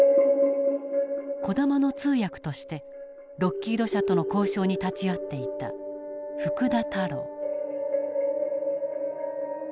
児玉の通訳としてロッキード社との交渉に立ち会っていた福田太郎。